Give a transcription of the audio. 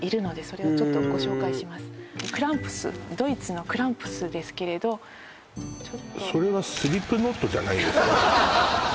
へーっドイツの「クランプス」ですけれどそれはスリップノットじゃないですよね？